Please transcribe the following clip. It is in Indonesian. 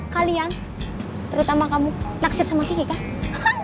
kalian terutama kamu naksir sama kiki kan